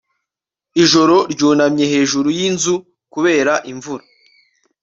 ijoro ryunamye hejuru y'inzu kubera imvura